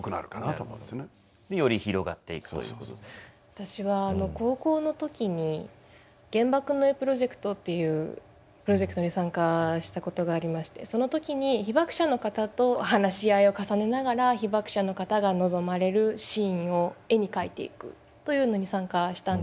私はあの高校の時に「原爆の絵プロジェクト」っていうプロジェクトに参加したことがありましてその時に被爆者の方と話し合いを重ねながら被爆者の方が望まれるシーンを絵に描いていくというのに参加したんです。